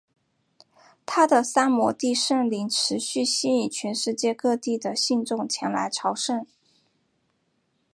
他的三摩地圣陵持续吸引全世界各地的信众前来朝圣。